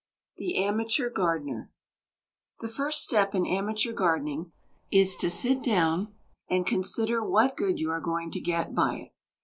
THE AMATEUR GARDENER The first step in amateur gardening is to sit down and consider what good you are going to get by it.